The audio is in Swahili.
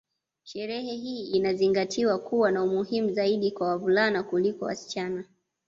Sherehe hii inazingatiwa kuwa na umuhimu zaidi kwa wavulana kuliko wasichana